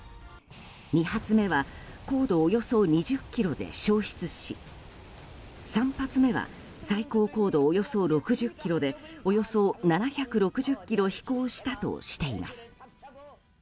２発目は高度およそ２０ｋｍで消失し３発目は最高高度およそ６０ｋｍでおよそ７６０ｋｍ飛行したとしています。